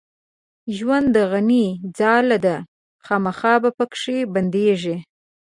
ژوند د غڼي ځاله ده خامخا به پکښې بندېږې